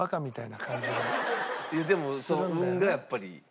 いやでもその運がやっぱり。